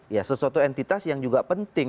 ya sesuatu entitas yang juga penting